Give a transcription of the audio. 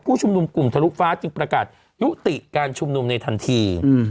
ชุมนุมกลุ่มทะลุฟ้าจึงประกาศยุติการชุมนุมในทันที